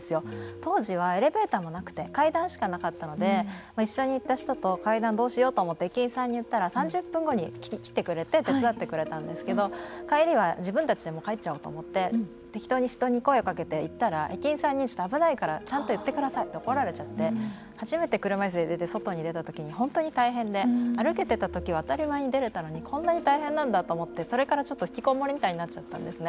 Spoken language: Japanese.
当時はエレベーターもなくて階段しかなかったので一緒に行った人と階段どうしようと思って駅員さんに言ったら３０分後に来てくれて手伝ってくれたんですけど帰りは自分たちで帰っちゃおうと思って適当に人に声をかけて行ったら駅員さんに危ないからちゃんと言ってくださいって怒られちゃって初めて車いすで出て外に出たときに本当に大変で歩けたときには当たり前に出れたのにこんなに大変なんだと思ってそこから、ちょっとひきこもりみたいになっちゃったんですね。